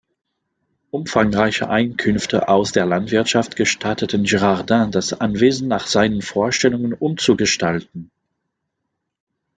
Umfangreiche Einkünfte aus der Landwirtschaft gestatteten Girardin das Anwesen nach seinen Vorstellungen umzugestalten.